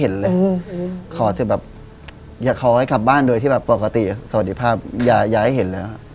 นะครับก็มีก้อยี่อยู่หน้าบ้าน